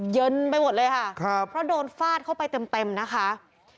เย็นไปหมดเลยค่ะครับเพราะโดนฟาดเข้าไปเต็มนะคะ